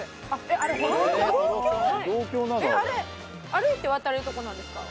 あれあれ歩いて渡れるとこなんですか？